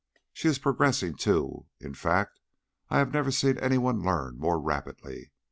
She is progressing, too; in fact, I have never seen anyone learn more rapidly.